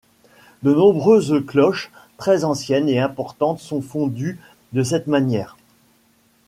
De nombreuses cloches très anciennes et importantes sont fondues de cette manière.